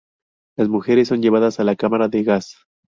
Las mujeres son llevadas a la cámara de gas.